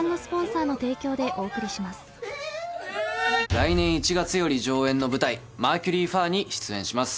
来年１月より上演の舞台「マーキュリー・ファー」に出演します